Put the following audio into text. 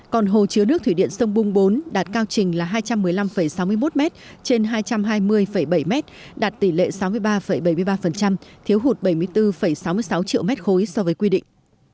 còn hồ chứa nước thủy điện sông bung bốn đạt cao trình là hai trăm một mươi năm sáu mươi một m trên hai trăm hai mươi bảy m đạt tỷ lệ sáu mươi ba bảy mươi ba thiếu hụt bảy mươi bốn sáu mươi sáu triệu mét khối so với quy định